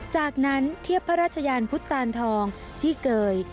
จากนั้นเทียบพระราชยานพุทธตานทองที่เกย